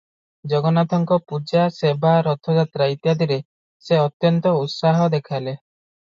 ଜଗନ୍ନାଥଙ୍କ ପୂଜା, ସେବା, ରଥଯାତ୍ରା ଇତ୍ୟାଦିରେ ସେ ଅତ୍ୟନ୍ତ ଉତ୍ସାହ ଦେଖାଲେ ।